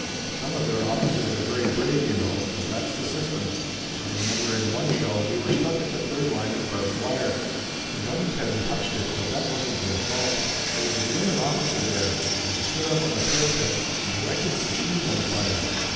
Some of their officers are very brave, you know, but that's the system. I remember in one show we were stuck at the third line of barbed wire. The guns hadn't touched it, but it wasn't their fault. There was a German officer there, and he stood up on the parapet, and directed the machine gun fire.